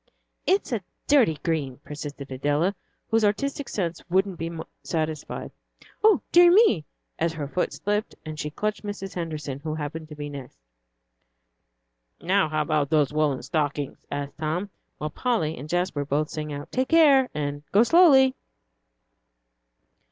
"It's a dirty green," persisted Adela, whose artistic sense wouldn't be satisfied. "O dear me!" as her foot slipped and she clutched Mrs. Henderson, who happened to be next. "Now, how about the woollen stockings?" asked Tom, while Polly and Jasper both sang out, "Take care," and "Go slowly."